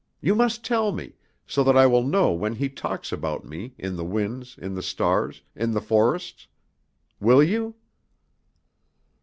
You must tell me, so that I will know when he talks about me, in the winds, in the stars, in the forests! Will you?"